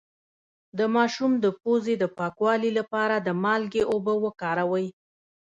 د ماشوم د پوزې د پاکوالي لپاره د مالګې اوبه وکاروئ